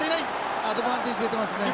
アドバンテージ出てますね。